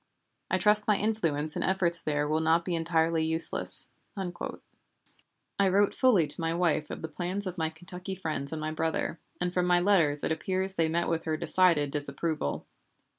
I trust my influence and efforts there will not be entirely useless." I wrote fully to my wife of the plans of my Kentucky friends and my brother, and from my letters it appears they met with her decided disapproval.